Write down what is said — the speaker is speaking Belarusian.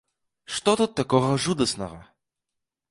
Што тут такога жудаснага?